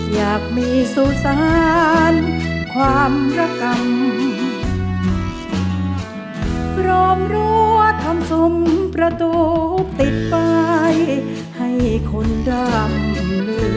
อยากมีสุสานความรักกันพร้อมรั้วทำซุ้มประตูติดป้ายให้คนดำ